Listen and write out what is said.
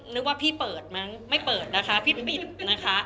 นึกว่าพี่เปิดมั้งไม่เปิดนะคะพี่ปิดนะคะ